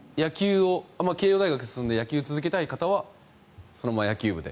慶應大学に進んで野球を続けたい方はそのまま野球部で。